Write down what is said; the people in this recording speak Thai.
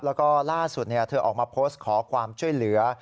แล้วก็ล่าสุดเธอออกมาโพสต์ขอความช่วยเหลือ